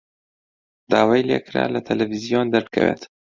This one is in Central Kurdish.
داوای لێ کرا لە تەلەڤیزیۆن دەربکەوێت.